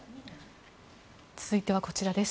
続いてはこちらです。